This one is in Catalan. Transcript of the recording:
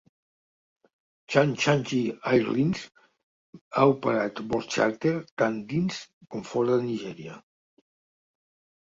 Chanchangi Airlines ha operat vols xàrter tant dins com fora de Nigèria.